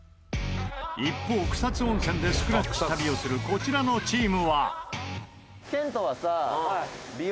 一方草津温泉でスクラッチ旅をするこちらのチームは。